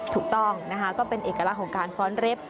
ถูกต้องนะคะก็เป็นเอกลักษณ์ของการฟ้อนเร็บ